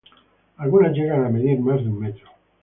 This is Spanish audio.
Algunas llegan a medir más de un metro.